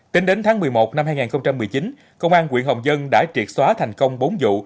tính đến tháng một mươi một năm hai nghìn một mươi chín công an quyện hồng dân đã triệt xóa thành công bốn vụ